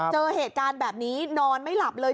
เจอเหตุการณ์แบบนี้นอนไม่หลับเลย